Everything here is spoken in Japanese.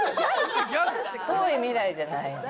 遠い未来じゃない。